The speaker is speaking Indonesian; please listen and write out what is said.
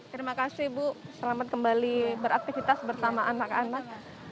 terima kasih ibu selamat kembali beraktivitas bersama anak anak